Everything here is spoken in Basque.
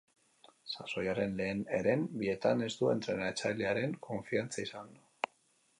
Sasoiaren lehen heren bietan ez du entrenatzailearen konfiantza izan.